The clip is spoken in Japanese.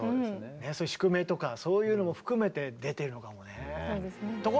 そういう宿命とかそういうのも含めて出てるのかもね。